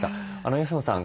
安野さん